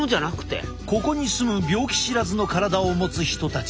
ここに住む病気知らずの体を持つ人たち。